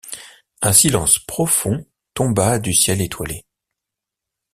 Un silence profond tomba du ciel étoilé.